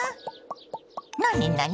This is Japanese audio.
なになに？